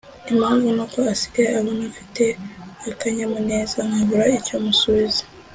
impamvu nuko asigaye abona mfite akanyamuneza nkabura icyo musubiza.